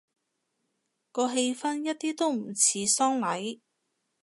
個氣氛一啲都唔似喪禮